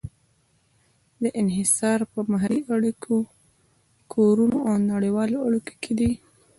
دا انحصار په محلي اړیکو، کورنیو او نړیوالو اړیکو کې دی.